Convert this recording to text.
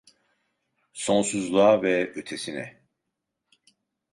Sonsuzluğa ve ötesine!